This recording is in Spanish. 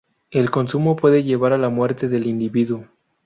El consumo puede llevar a la muerte del individuo.